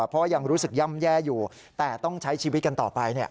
เพราะยังรู้สึกย่ำแย่อยู่แต่ต้องใช้ชีวิตกันต่อไป